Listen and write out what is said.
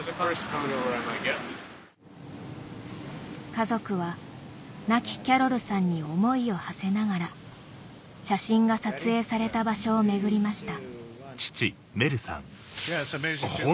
家族は亡きキャロルさんに思いをはせながら写真が撮影された場所を巡りました